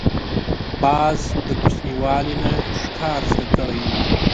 باز د کوچنیوالي نه ښکار زده کړی وي